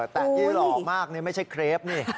แต่ที่หล่อมากนี่ไม่ใช่เครปนี่